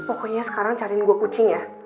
pokoknya sekarang cariin gue kucing ya